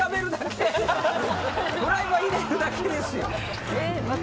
フライパン入れるだけですよ。